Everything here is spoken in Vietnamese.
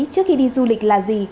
trước khi đi du lịch là gì